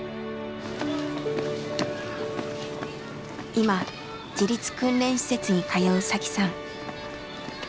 今自立訓練施設に通う紗輝さん。